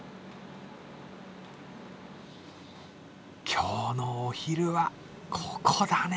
今日のお昼はここだね。